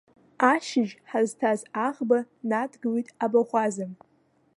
Ашьыжь ҳазҭаз аӷба надгылеит абаӷәаза.